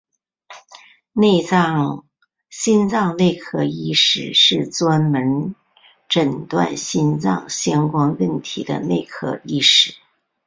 心脏内科医师是专门诊断心脏相关问题的内科医师。